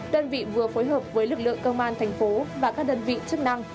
đơn vị vừa phối hợp với lực lượng công an thành phố và các đơn vị chức năng